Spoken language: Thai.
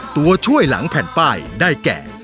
ตัวช่วยหลังแผ่นป้ายได้แก่